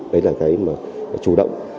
đấy là cái mà chủ động